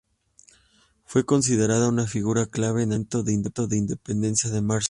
Fue considerada una figura clave en el movimiento de independencia de Marshall.